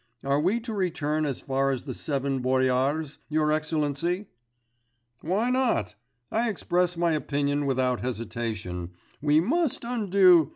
'Are we to return as far as the Seven Boyars, your excellency?' 'Why not? I express my opinion without hesitation; we must undo